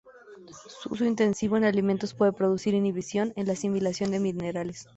Su uso intensivo en alimentos puede producir inhibición en la asimilación de minerales.